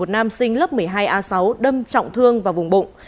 một nam sinh lớp một mươi hai a sáu đâm trọng thương vào vùng bụng